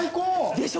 でしょ？